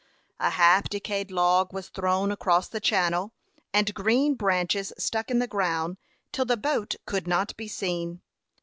A half decayed log was thrown across the channel, and green branches stuck in the ground, till the boat could not be seen.